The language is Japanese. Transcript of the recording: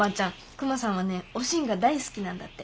クマさんはね「おしん」が大好きなんだって。